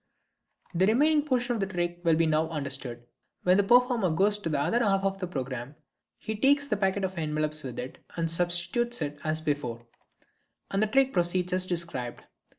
The remaining portion of the trick will now be understood. When the performer goes for the other half of the programme he takes the packet of envelopes with it and substitutes it as before, and the trick proceeds as described.